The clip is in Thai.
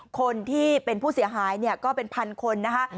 คนที่เป็นผู้เสียหายเนี่ยก็เป็นพันคนนะคะ